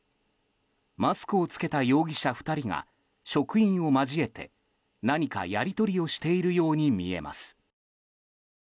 マスクを着けた容疑者２人が職員を交えて何かやり取りをしているように見えます。